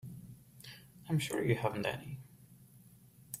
I'm sure you haven't any.